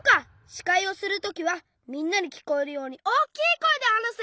しかいをするときはみんなにきこえるようにおおきいこえではなす！